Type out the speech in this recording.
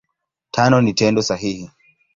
Tano ni Tendo sahihi.